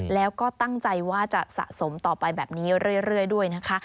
แล้วก็ตั้งใจว่าจะสะสมต่อไปแบบนี้เรื่อยด้วยนะคะ